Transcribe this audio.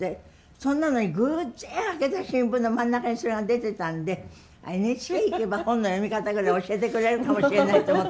それなのに偶然開けた新聞の真ん中にそれが出てたんでＮＨＫ行けば本の読み方ぐらい教えてくれるかもしれないと思って